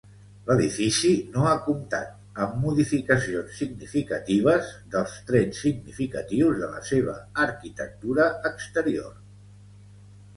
L'edifici no ha comptat amb modificacions significatives dels trets significatius de la seva arquitectura exterior.